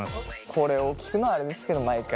これを聞くのはあれですけど毎回。